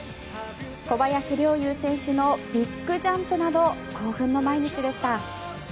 小林陵侑選手のビッグジャンプなど興奮の毎日でした。